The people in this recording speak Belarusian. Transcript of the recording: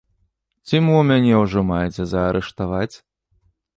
Ці мо мяне ўжо маеце заарыштаваць?